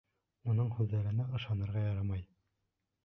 Уның һүҙҙәренә ышанырға ярамай.